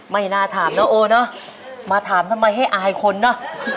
ไม่น่าถามนะโอเนอะมาถามทำไมให้อายคนเนอะ